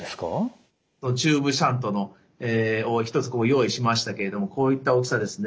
チューブシャントを１つ用意しましたけれどもこういった大きさですね。